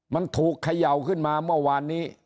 มันถูกเขย่าขึ้นมาเมื่อวานนี้